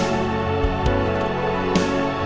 aku akan mencintai kamu